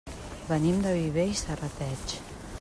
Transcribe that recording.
Venim de Viver i Serrateix.